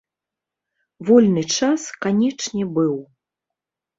Вольны час, канечне, быў.